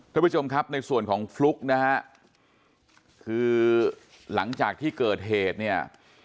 ท่านผู้ชมครับในส่วนของฟลุ๊กนะฮะคือหลังจากที่เกิดเหตุเนี่ย